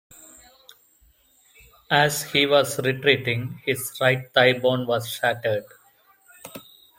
As he was retreating, his right thigh bone was shattered.